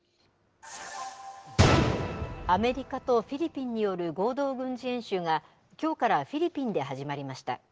アメリカとフィリピンによる合同軍事演習が、きょうからフィリピンで始まりました。